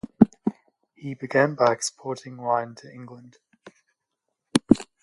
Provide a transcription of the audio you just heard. He began by exporting wine to England.